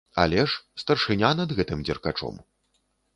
Але ж, старшыня над гэтым дзеркачом.